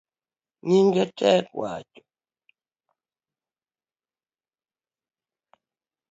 Nyinge tek wacho